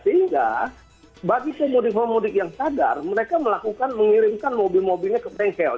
sehingga bagi pemudik pemudik yang sadar mereka melakukan mengirimkan mobil mobilnya ke bengkel